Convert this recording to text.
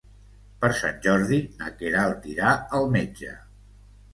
Per Sant Jordi na Queralt irà al metge.